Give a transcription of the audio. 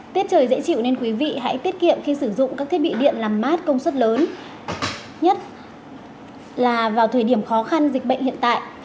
tiết trời dễ chịu nên quý vị hãy tiết kiệm khi sử dụng các thiết bị điện làm mát công suất lớn nhất là vào thời điểm khó khăn dịch bệnh hiện tại